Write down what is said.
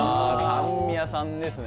炭味家さんですね